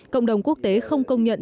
cộng đồng quốc tế không công nhận